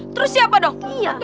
terus siapa dong